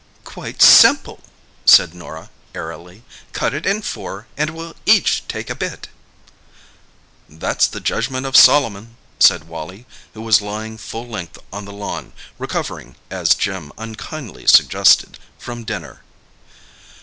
"Quite simple," said Norah airily. "Cut it in four, and we'll each take a bit." "That's the judgment of Solomon," said Wally, who was lying full length on the lawn—recovering, as Jim unkindly suggested, from dinner.